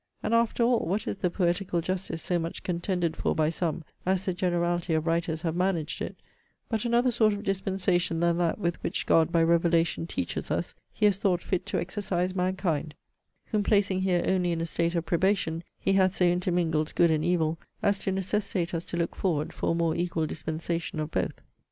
And after all, what is the poetical justice so much contended for by some, as the generality of writers have managed it, but another sort of dispensation than that with which God, by revelation, teaches us, He has thought fit to exercise mankind; whom placing here only in a state of probation, he hath so intermingled good and evil, as to necessitate us to look forward for a more equal dispensation of both?